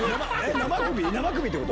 生首ってこと？